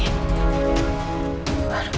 aduh gimana ya